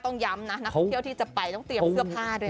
ต้องย้ำนะนักท่องเที่ยวที่จะไปต้องเตรียมเสื้อผ้าด้วยนะ